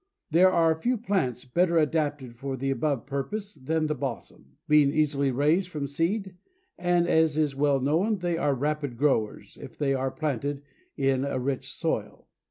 There are few plants better adapted for the above purpose than the Balsam, being easily raised from seed, and as is well known, they are rapid growers if they are planted in a rich soil.